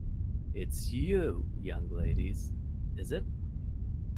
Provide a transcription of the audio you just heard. It's you, young ladies, is it?